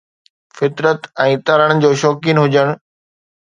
فطرت ۾ ترڻ جو شوقين هجڻ